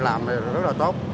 làm thì rất là tốt